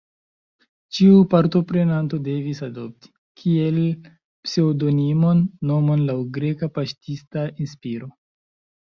Ĉiu partoprenanto devis adopti, kiel pseŭdonimon, nomon laŭ greka paŝtista inspiro.